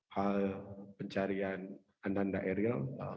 hal pencarian ananda ariel